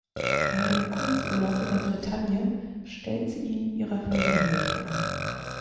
Bei einem Kurzurlaub in der Bretagne stellt sie ihn ihrer Familie vor.